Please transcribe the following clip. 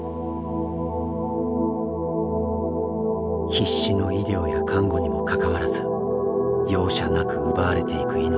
必死の医療や看護にもかかわらず容赦なく奪われていく命。